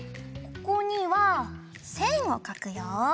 ここにはせんをかくよ。